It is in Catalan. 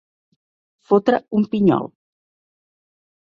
Fotre un pinyol.